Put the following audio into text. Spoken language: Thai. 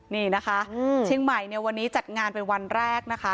นี่นะคะเชียงใหม่เนี่ยวันนี้จัดงานเป็นวันแรกนะคะ